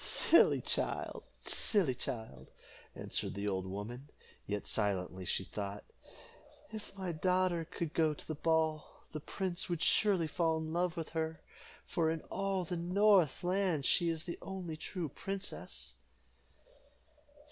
"Silly child, silly child," answered the old woman; yet silently she thought "If my daughter could go to the ball, the prince would surely fall in love with her, for in all the north land she is the only true princess."